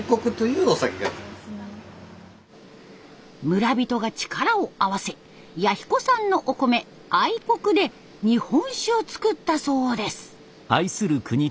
村人が力を合わせ弥彦産のお米「愛国」で日本酒を造ったそうです。